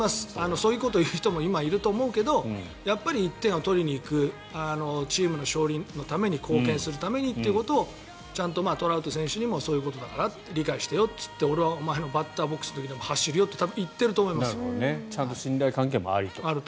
そういうことを言う人も今、いると思うけどやっぱり１点を取りにいくチームの勝利のために貢献するためにということをちゃんとトラウト選手にもそういうことだから理解してよって俺は、お前のバッターボックスの時でも走るよってちゃんと信頼関係もありと。